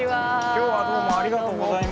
今日はどうもありがとうございます。